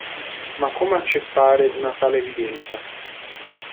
Ma come accettare una tale evidenza?